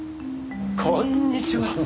こんにちは。